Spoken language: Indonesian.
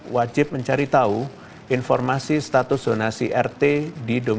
wajib mencari tau informasi forum fortattle b ken wagner